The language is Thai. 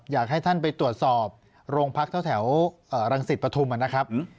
อยากให้ท่านไปตรวจสอบโรงพักษณ์แถวรังศิษย์ประธุมนะครับ